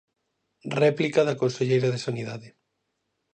Réplica da conselleira de Sanidade.